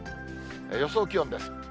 予想気温です。